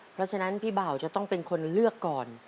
เพราะฉะนั้นพี่บ่าวจะต้องเป็นคนเลือกก่อน